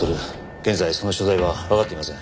現在その所在はわかっていません。